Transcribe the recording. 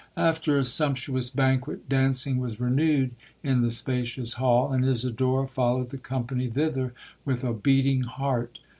'After a sumptuous banquet, dancing was renewed in the spacious hall, and Isidora followed the company thither with a beating heart.